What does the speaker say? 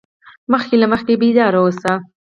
مخکې له مخکې بیدار اوسه.